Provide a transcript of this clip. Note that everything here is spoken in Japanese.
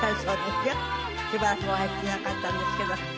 しばらくお会いしてなかったんですけど。